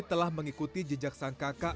telah mengikuti jejak sang kakak